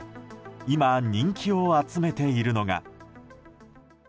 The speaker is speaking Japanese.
今、人気を集めているのが。